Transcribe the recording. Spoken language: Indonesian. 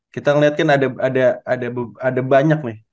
kita ngeliat kan ada banyak nih